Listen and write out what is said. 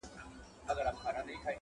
نه مي غاښ ته سي ډبري ټينگېدلاى!.